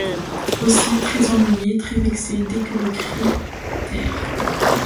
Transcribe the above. Aussi, très ennuyé, très vexé, dès que le cri: « Terre!